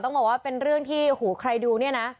ต้องบอกว่าเป็นเรื่องที่โอ้โหใครดูเนี่ยนะ